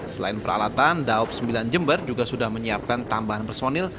selain peralatan daob sembilan jember juga sudah menyiapkan tambahan personil